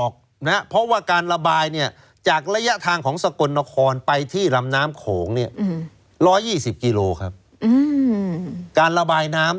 การระบายน้ำ